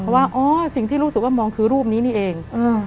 เพราะว่าอ๋อสิ่งที่รู้สึกว่ามองคือรูปนี้นี่เอง